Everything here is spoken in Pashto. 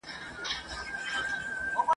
نه په یوې نه غوبل کي سرګردان وو !.